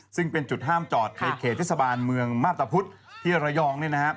ซึ่งเป็นจุดห้ามจอดในเขตเทศบาลเมืองมาพตะพุธที่ระยอง